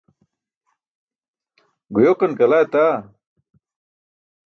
Guyoqan kala etaa!